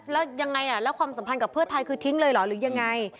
แล้วยังไงแล้วความสัมพันธ์กับเพื่อไทยคือทิ้งเลยเหรอหรือยังไง